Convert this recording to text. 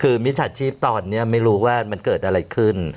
คือมิจฉาชีพตอนนี้ไม่รู้ว่ามันเกิดอะไรขึ้น